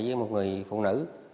với một người phụ nữ